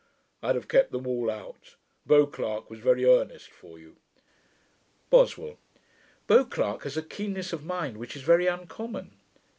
I'd have kept them all out. Beauclerk was very earnest for you.' BOSWELL. 'Beauclerk has a keenness of mind which is very uncommon.'